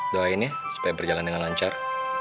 doain ya supaya perjalanan dengan lancar